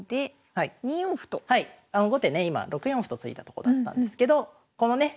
後手ね今６四歩と突いたとこだったんですけどこのね